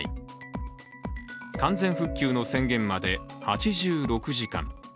完全復旧の宣言まで８６時間。